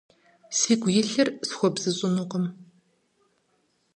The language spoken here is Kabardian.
Сигу илъыр схуэбзыщӀынукъым…